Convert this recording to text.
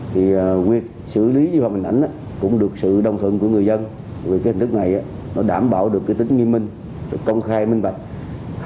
nguyệt xử lý vi phạm hình ảnh cũng được sự đồng thuận của người dân vì hình thức này đảm bảo được tính nghiêm minh công khai minh bạch